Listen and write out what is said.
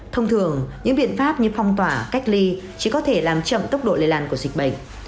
thông thường những biện pháp như phong tỏa cách ly chỉ có thể làm chậm tốc độ lây lan của dịch bệnh